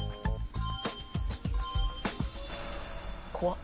怖っ。